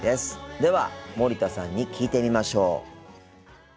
では森田さんに聞いてみましょう。